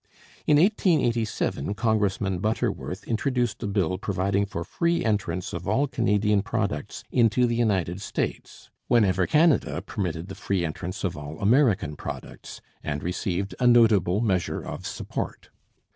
In 1887 Congressman Butterworth introduced a bill providing for free entrance of all Canadian products into the United States whenever Canada permitted the free entrance of all American products, and received a notable measure of support.